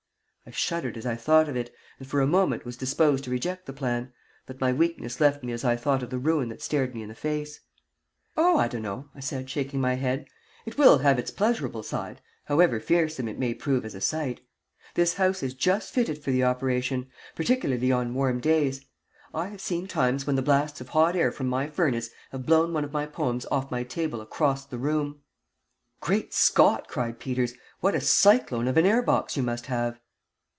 I shuddered as I thought of it, and for a moment was disposed to reject the plan, but my weakness left me as I thought of the ruin that stared me in the face. "Oh, I don't know," I said, shaking my head. "It will have its pleasurable side, however fearsome it may prove as a sight. This house is just fitted for the operation, particularly on warm days. I have seen times when the blasts of hot air from my furnace have blown one of my poems off my table across the room." "Great Scott!" cried Peters. "What a cyclone of an air box you must have!"